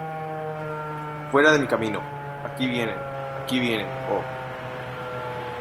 ¡ Fuera de mi camino! ¡ aquí vienen !¡ aquí vienen !¡ oh !